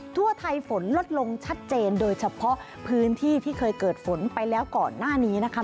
ทั่วไทยฝนลดลงชัดเจนโดยเฉพาะพื้นที่ที่เคยเกิดฝนไปแล้วก่อนหน้านี้นะคะ